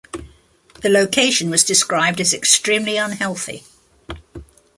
The location was described as extremely unhealthy.